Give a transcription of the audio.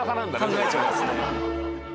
考えちゃいますね。